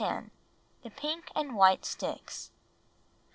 THE PINK AND WHITE STICKS.